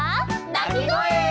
なきごえ！